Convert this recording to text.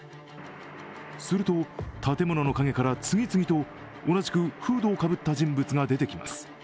すると、建物の陰から次々と同じくフードをかぶった人物が出てきます。